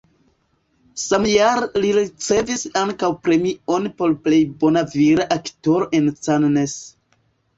Samjare li ricevis ankaŭ premion por plej bona vira aktoro en Cannes.